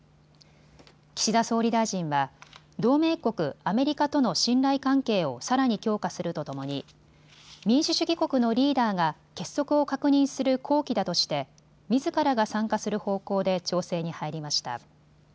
岸田総理大臣は同盟国アメリカとの信頼関係をさらに強化するとともに民主主義国のリーダーが結束を確認する好機だとしてみずからが参加する方向で調整に入りました。